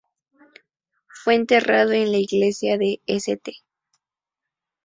Fue enterrado en la Iglesia de St.